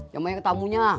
yang banyak ketamunya